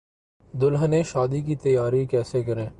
دلہنیں شادی کی تیاری کیسے کریں